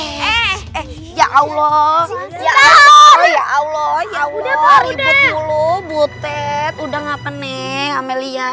eh eh ya allah ya allah ya allah ribet dulu butet udah gapeneng amalia